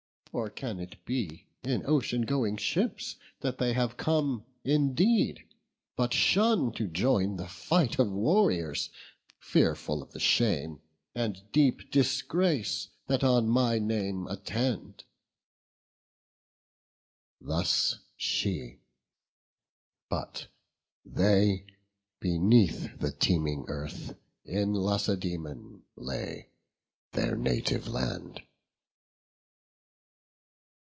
Or can it be, in ocean going ships That they have come indeed, but shun to join The fight of warriors, fearful of the shame, And deep disgrace that on my name attend?" Thus she; but they beneath the teeming earth In Lacedaemon lay, their native land.